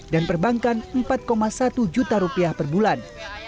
dan perbankan empat satu juta rupiah per bulan